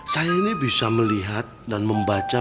saya ini bisa melihat dan membaca